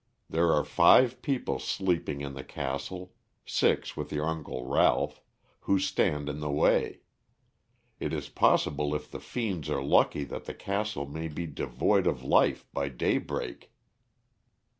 There are five people sleeping in the castle six with your Uncle Ralph who stand in the way. It is possible if the fiends are lucky that the castle may be devoid of life by daybreak."